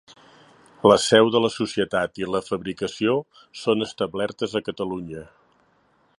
La seu de la societat i la fabricació són establertes a Catalunya.